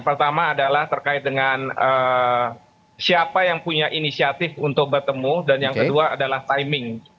pertama adalah terkait dengan siapa yang punya inisiatif untuk bertemu dan yang kedua adalah timing